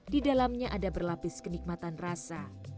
di dalamnya ada berlapis kenikmatan rasa